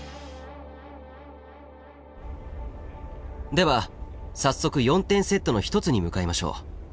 では早速４点セットの一つに向かいましょう。